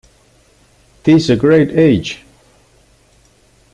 'Tis a great age!